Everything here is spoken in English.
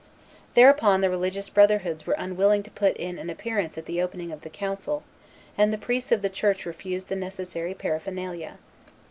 Thereupon the religious brotherhoods were unwilling to put in an appearance at the opening of the council, and the priests of the Church refused the necessary paraphernalia.